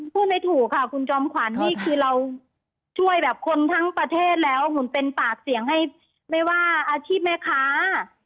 ไม่ถูกค่ะคุณจอมขวัญนี่คือเราช่วยแบบคนทั้งประเทศแล้วเหมือนเป็นปากเสียงให้ไม่ว่าอาชีพแม่ค้า